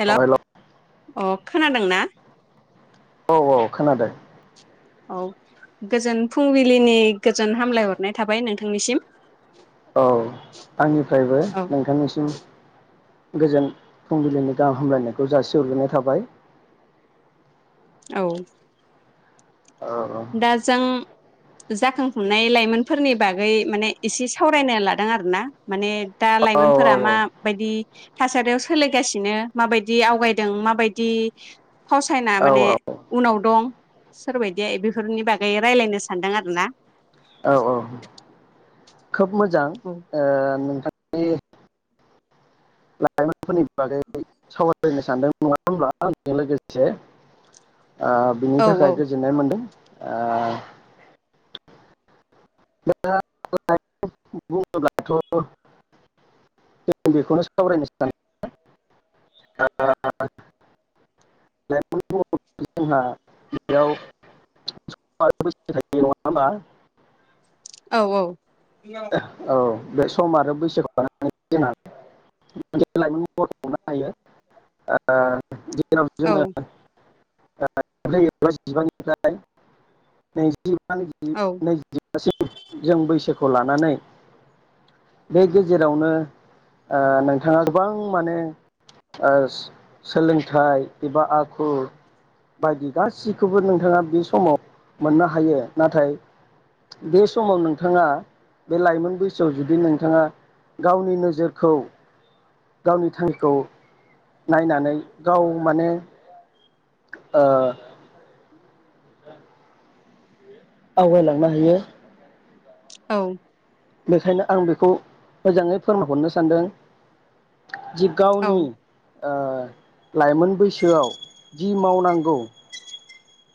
हेल' अ खोनादों ना? औ औ खोनादों औ गोजोन फुंबिलिनि गोजोन हामलायहरनाय थाबाय नोंथांनिसिम। औ आंनिफ्रायबो औ नोंथांनिसिम गोजोन फुंबिलिनि गाहाम हामलायनायखौ जासिहरग्रोनाय थाबाय। औ औ दा जों जाखांफुंनाय लाइमोनफोरनि बागै माने एसे सावरायनो लादों आरो ना माने दा औ लाइमोनफोरा औ माबायदि थासारियाव सोलिगासिनो माबायदि आवगायदों माबायदि। फावसायना औ माने औ उनाव। दं सोरबायदिया बेफो। बेफोरनि बागै रायलायनो सानदों आरो ना। औ औ खोब मोजां नोंथां। लाइमोनफोरनि बागै सावरायनो सानदों नङा होमब्ला आजों लोगोसे। ओ बिनि औ थाखाय गोजोननाय मोनदों। आ। [inaudible] औ औ। औ बे सम आरो बैसोखौ। [inaudible] जेराव औ जोङो। [inaudible] औ [inaudible] दासिम जों बैसोखौ। खौ लानानै बे गेजेरावनो ओ नोंथाङा गोबां माने ओ सो सोलोंथाइ एबा आखु बायदि गाससिखौबो नोंथाङा बे समाव मोननो हायो नाथाय बे समाव नोंथाङा। बे लाइमोन बैसोआव जुदि नोंथाङा गावनि नोजोरखौ। गावनि थांखिखौ नायनानै गाव माने ओ। आवगायलांनो हायो। औ। बेखायनो आं बेखौ मोजाङै फोरमायहरनो सानदों। जि औ गावनि। ओ लाइमोन बैसोआव जि मावनांगौ।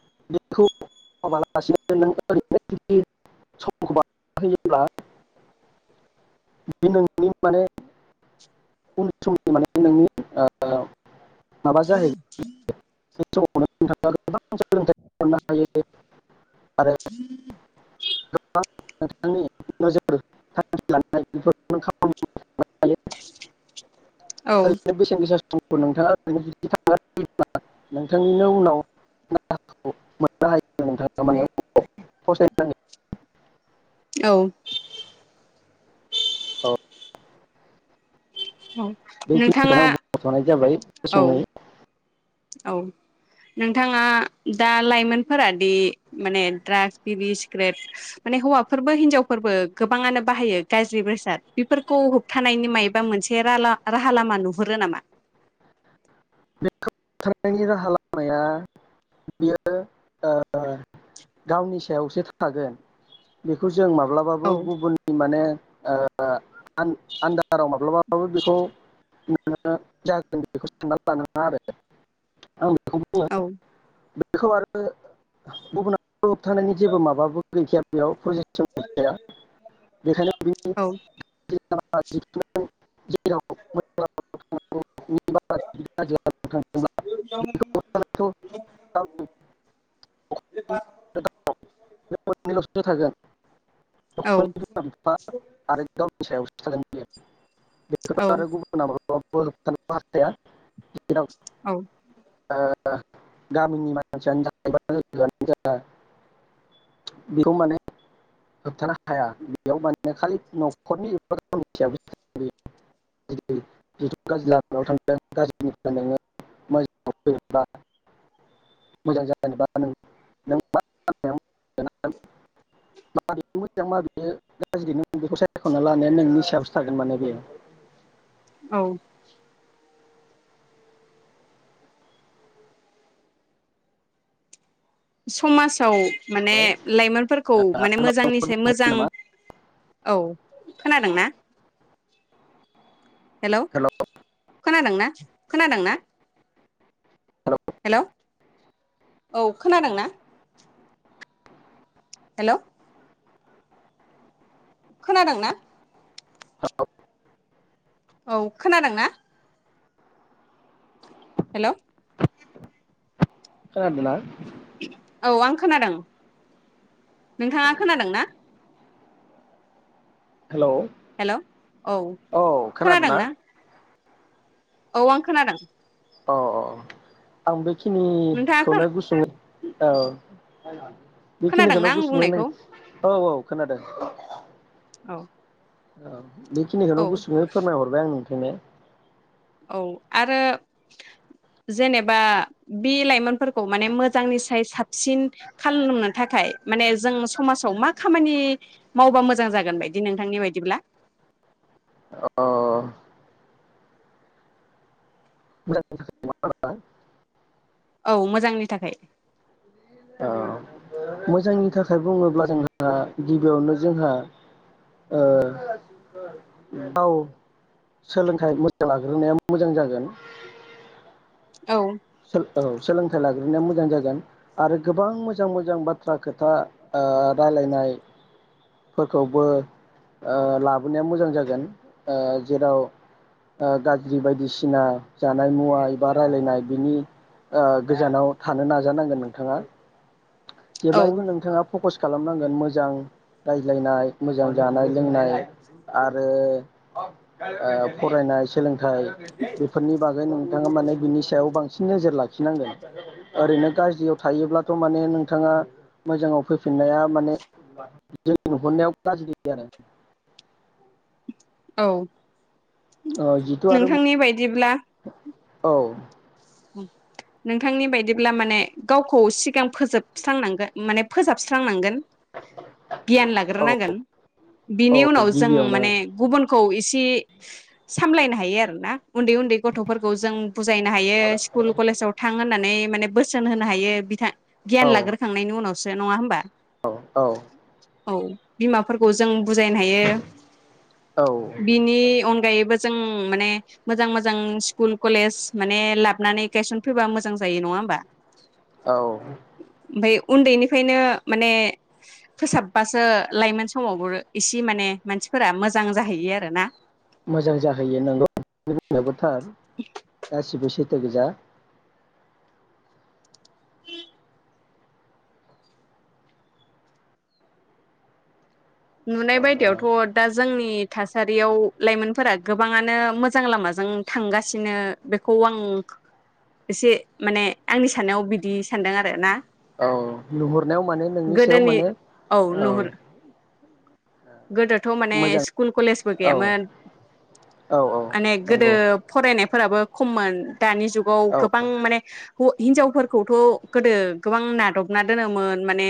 [inaudible] बे नोंनि माने उन समनि माने नोंनि ओ। [unintelligible] [inaudible] गोबां सोलोंथाइ मोननो हायो आरो गोबां। [inaudible] [inaudible] औ [inaudible] [inaudible] औ। औ औ। बेखिनिखौनो नोंथाङा आं बुंथनाय जाबाय औ गुसङै। औ नोंथाङा दा लाइमोनफोरादि माने द्राग्स बिरि सिग्रेट माने हौवाफोरबो हिनजावफोरबो गोबाङानो बाहायो गाज्रि बेसाद बेफोरखौ होबथानायनि मायबा मोनसे राला राहा लामा नुहरो नामा। बेखौ होबथानायनि राहा लामाया बियो। गावनि सायावसो थागोन बेखौ जों माब्लाबाबो औ गुबुननि माने [unintelligible] आन आन्दाराव माब्लाबाबो बेखौ मानोना जागोन बेखौ साननानै लानाङा आरो औ [unintelligible] बेखौ आरो गुबुना खौ होबथानायनि जेबो माबाबो गैखाया बेयाव प्रजेक्ट औ [unintelligible] [unintelligible] [unintelligible] [unintelligible] [unintelligible] द थागोन । औ। आरो [unintelligible] औ बेखौथ आरो गुबुनाबो [unintelligible] औ। [unintelligible] [unintelligible] औ। समाजाव माने लाइमोनफोरखौ माने मोजांनिसाय मोजां औ खोनादोंना? हेलौ। खोनादोंना? खोनादोंना? हेलौ औ खोनादोंना? हेल। खोनादोंना? औ। औ खोनादोंना? हेल। खोनादोना? औ आं खोनादों ।नोंथाङा खोनादों ना? हेलौ हेल' औ खोनादोंना? औ आं खोनादों। अ अ आंबो। नोंथाङा खिनिखौनो खोना गुसुङै औ खोनादोंना बेखिनिखौल आं बुसुङै नो बुंनायखौ औ औ खोनादों औ औ बेखिनिखौनो औ गुसुङै फोरमायहरबाय आं नो [unintelligible] औ आरो जेनेबा बे लाइमोनफोरखौ माने मोजांनिसाय साबसिन खालामनो थाखाय माने जों समाजाव मा खामानि मावबा मोजां जागोन बायदि नोंथांनि बायदिब्ला? अ [unintelligible] औ मोजांनि थाखाय औ मोजांनि थाखाय बुङोब्ला जोंहा गिबियावनो जोंहा ओ गाव सोलोंथाइ मोजां लाग्रोनाया मोजां जागोन औ सो औ सोलोंथाइ लाग्रोनाया मोजां जागोन आरो गोबां मोजां मोजां बाथ्रा खोथा ओ रायलायनाय फोरखौबो ओ लाबोनाया मोजां जागोन ओ जेराव ओ गाज्रि बायदिसिना जानाय मुवा एबा राय्लायनाय बिनि ओ गोजानाव थानो नाजानांगोन नोंथाङा औ जेब्लायबो नोंथाङा फकस खालामनांगोन मोजां रायज्लायनाय मोजां जानाय लोंनाय आरो ओ फरायनाय सोलोंथाइ थाय बेफोरनि बागै नों नोंथाङा माने बिनि सायाव बांसिन नोजोर लाखिनांगोन ओरैनो गाज्रियाव थायोब्लाथ माने नों नोंथाङा मोजाङाव फैफिननाया माने जों नुहुरनायाव गाज्रि आरो औ ओ जिथु आरो नोंथांनि बायदिब्ला औ नोंथांनि बायदिब्ला माने गावखौ सिगां फोजोबस्रांनांगोन माने फोसाबस्रांनांगोन गियान औ लाग्रोनांगोन बिनि औ उनाव जों गिबियावनो माने गुबुन खौ इसे सामलायनो हायो आरोना उन्दै उन्दै गथफोरखौ जों बुजायनो हायो स्कुल कलेजाव थां होनना नानै माने बोसोन होनो हायो बिथां औ गियान लाग्रोखांनायनि उनाव से नङा होमबा? औ औ औ बिमाफोरखौ जों बुजायनो हायो औ बिनि अनगायैबो जों माने मोजां मोजां स्कुल कलेज माने लाब हाबनानै गायसनफ बा मोजां जायो नङा होमबा औ ओमफ्राय उन्दैनिफ्रायनो माने फोसाबबासो लाइमोन समावबो इसे माने मानसिफोरा मोजां जाहैयो आरोना । मोजां जाहोयो नंगौ बुंनायाबो थार गासिबो सै थो गोजा नुनाय बायदियावथ' दा जो जोंनि थासारियाव लाइमोनफोरा गोबाङानो मोजां लामाजों थांगासिनो बेखौ आं एसे माने आंनि साननायाव बिदि सानदों आरो ना औ नुहुरनायाव माने नोंनि सायाव गोदोनि माने औ गोदोथ' माने मोजां स्कुल कलेजबो औ गैयामोन औ औ माने गोदो नंगौ फरायनाय फोराबो खममोन दानि जुगाव औ गोबां माने ह-हिनजावफोरखौथ' गोदो गोबां नादबना दोनोमोन माने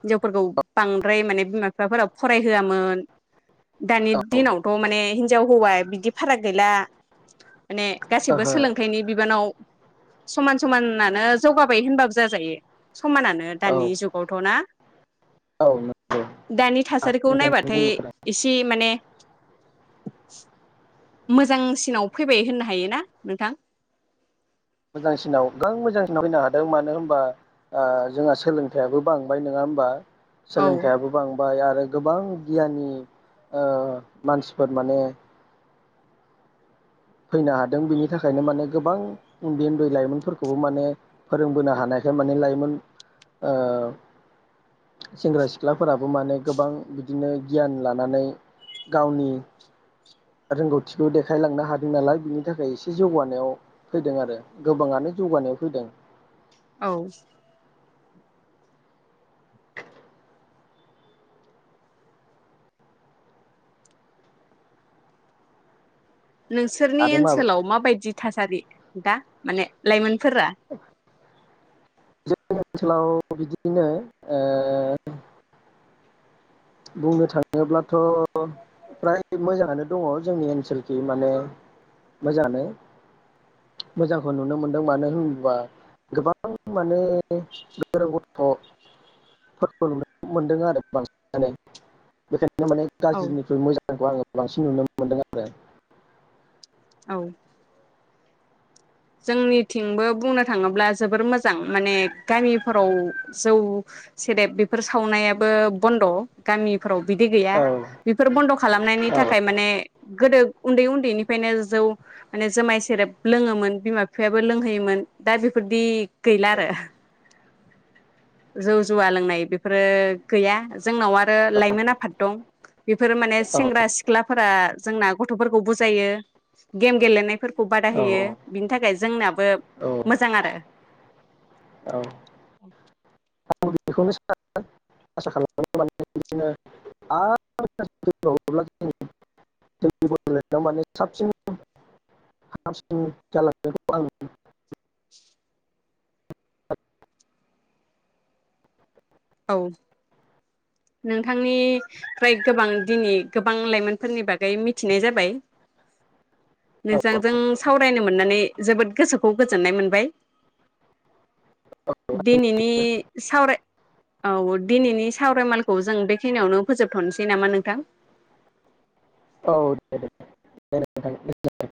हिनजावफोरखौ बांद्राय माने बिमा बिफाफोरा फराय होआमोन दानि औ ओहो दिनावथ' माने हिनजाव हौवा बिदि फाराग गैला माने गासिबो सोलोंथाइनि बिबानाव समान समानानो जौगाबाय होनबाबो जाजायो । समानानो दानि औ जुगावथ' ना? औ नंगौ दानि थास सारिखौ नायबाथाय इसे माने मोजांसिनाव फैबाय होननो हायो ना नोंथां? मोजांसिनाव गोबां मोजांसिनाव फैनो हादों मानो होनबा ओ जोंहा सोलोंथाइयाबो बांबाय नोङा होमबा? औ सोलोंथाइयाबो बांबाय आर रो गोबां गियानि ओ मानसिफोर माने फैनो हादों बिनि थाखायनो माने गोबां उन्दै उन्दै लाइमोनफोरखौबो माने फोरोंबोनो हानायखाय माने लाइमोन ओ सेंग्रा सिख्लाफोराबो माने गोबां बिदिनो गियान लानानै गावनि रोंगौथिखौ देखायलांनो हाद दों नालाय बिनि थाखाय एसे जौगानायाव फैदों आरो गोबाङानो जौगानायाव फैदों । औ नोंसोरनि आरो मा ओनसोलाव माबायदि थासारि? दा माने लाइमोन फोरा [inaudible] जोंनि ओनसोलाव बिदिनो ओ बुंनो थाङोब्लाथ' फ्राय मोजाङानो दङ जोंनि ओनसोलखि माने मोजाङानो मोजांखौ नुनो मोनदों मानो होनोबा गोबां माने गोरों गथ'फोरखौ नुनो मोनदों आरो बांसि नो बेखाय माने औ गाज्रिनिख्रुइ मोजांखौ आङो बांसिन नुनो मोनदों आरो औ जोंनिथिंबो बुंनो थाङोब्ला जोबोर मोजां माने गामिफोराव जौ सेरेब बेफोर सावनायाबो बन्द । गामि फोराव बिदि गैया औ बेफोर बन्द खालामनायनि औ थाखाय माने गोदो उन्दै उन्दै निफायनो जौ माने जोमाय सेरेब लोङोमोन बिमा बिफायाबो लोंहोयोमोन दा बेफोरदि गैला आरो जौ जुवा लोंनाय बेफोरो गैया जोंनाव आरो लाइमोन आफाद दं बेफोरो माने सेंग्रा औ सिख्लाफोरा जोंना गथ'फोरखौ बुजायो गेम गेलेनाय फोरखौ बादाय औ होयो बिनि थाखाय जोंनाबो औ मोजां आरो बेखौ नो सा आसा खालामोन [unintelligible] औ नोंथांनि फ्राय गोबां दिनि गोबां लाइमोनफोरनि बागै मिथिनाय जाबाय औ नोंजांजों सावरायनो मोननानै जोबोद गोसोखौ गोजोननाय मोनबाय दिनिनि सावराय औ दिनिनि सावरायमालखौ जों बेखिनियावनो फोजोबथनोसै नामा नोंथां औ दे दे [unintelligible]